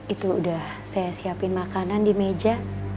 itu udah saya siapin makanan di meja